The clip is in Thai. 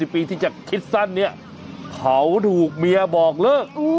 ๑๐ปีที่จากคิดสั้นเขาถูกเมียบอกเลิก